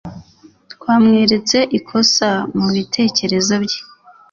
twamweretse ikosa mubitekerezo bye